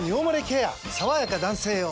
さわやか男性用」